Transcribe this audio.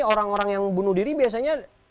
orang orang yang bunuh diri biasanya